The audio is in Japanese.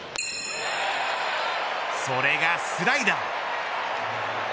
それがスライダー。